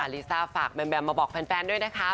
ลิซ่าฝากแมมมาบอกแฟนด้วยนะคะ